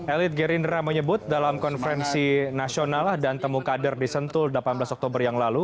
elit gerindra menyebut dalam konferensi nasional dan temu kader di sentul delapan belas oktober yang lalu